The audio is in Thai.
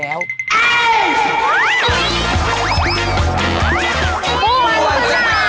ปั่วสนาม